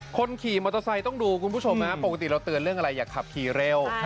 คนขี่มอเตอร์ไซค์ต้องดูคุณผู้ชมปกติเราเตือนเรื่องอะไรอย่าขับขี่เร็ว